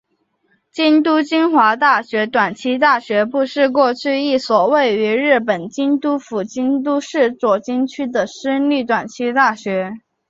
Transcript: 京都精华大学短期大学部是过去一所位于日本京都府京都市左京区的私立短期大学。